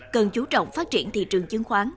cần chú trọng phát triển thị trường chứng khoán